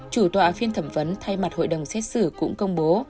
chủ tọa phiên thẩm vấn thay mặt hội đồng xét xử cũng công bố